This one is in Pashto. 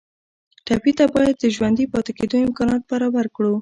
ټپي ته باید د ژوندي پاتې کېدو امکانات برابر کړو.